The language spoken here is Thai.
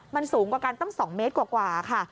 มันสูงกว่ากันตั้ง๒เมตรกว่าค่ะ